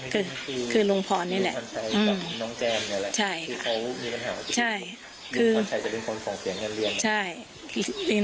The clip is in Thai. คือคือลุงพอนี่แหละอืมใช่ค่ะคือเขามีปัญหาใช่คือลุงพอนชัยจะเป็นคนส่งเปลี่ยงเงินเรียน